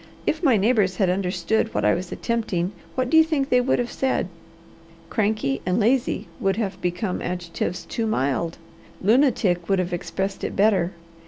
If my neighbours had understood what I was attempting, what do you think they would have said? Cranky and lazy would have become adjectives too mild. Lunatic would have expressed it better.